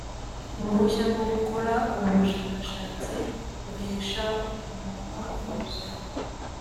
uruhushya rwo gukora ubushakashatsi ruhesha umuntu inguzanyo